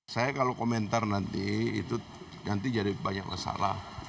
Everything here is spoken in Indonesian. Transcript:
saya kalau komentar nanti itu nanti jadi banyak masalah